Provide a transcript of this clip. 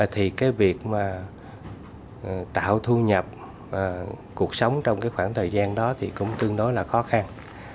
thì cái việc mà tạo thu nhập cuộc sống trong cái khoảng thời gian đó thì cũng tương đối là khó khăn